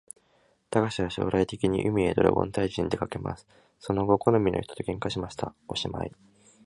たかしは将来的に、海へドラゴン退治にでかけます。その後好みの人と喧嘩しました。おしまい